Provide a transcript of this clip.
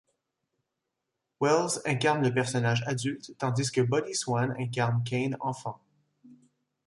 Welles incarne le personnage adulte tandis que Buddy Swan incarne Kane enfant.